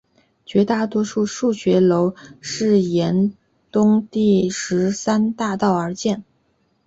绝大多数教学楼都沿东第十三大道而建。